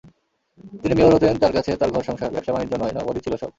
যিনি মেয়র হতেন তাঁর কাছে তাঁর ঘর-সংসার, ব্যবসা-বাণিজ্য নয়, নগরই ছিল সব।